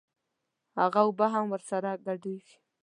هغه اوبه هم ورسره ګډېږي.